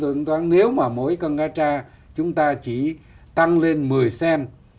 tôi tính toán nếu mà mỗi con cá tra chúng ta chỉ tăng lên một mươi cent